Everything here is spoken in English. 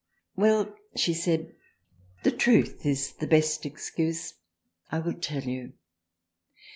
Well she said the Truth is the best excuse, I will tell you.